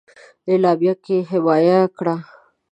اعلامیه کې حمایه کړه.